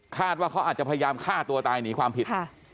ว่าเขาอาจจะพยายามฆ่าตัวตายหนีความผิด